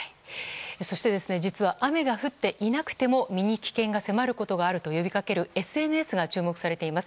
そして実は雨が降っていなくても身に危険が迫ることがあると呼びかけるＳＮＳが注目されています。